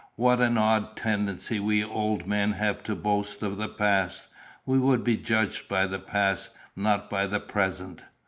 What an odd tendency we old men have to boast of the past: we would be judged by the past, not by the present.